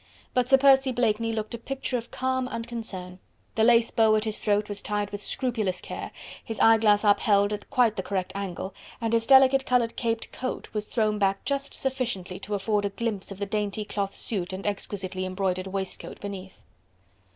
But Sir Percy Blakeney looked a picture of calm unconcern: the lace bow at his throat was tied with scrupulous care, his eyeglass upheld at quite the correct angle, and his delicate coloured caped coat was thrown back just sufficiently to afford a glimpse of the dainty cloth suit and exquisitely embroidered waistcoat beneath.